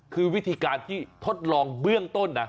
คือวิธีการที่ทดลองเบื้องต้นนะ